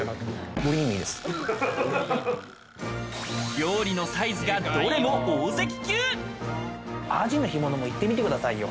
料理のサイズがどれもアジの干物も行ってみてくださいよ。